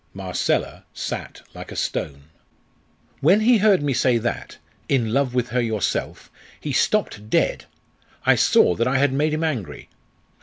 Marcella sat like a stone. "When he heard me say that 'in love with her yourself,' he stopped dead. I saw that I had made him angry.